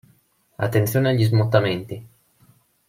Attenzione agli smottamenti.